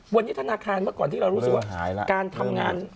วันนี้ธนาคารเมื่อก่อนที่เรารู้สึกว่าการทำงาน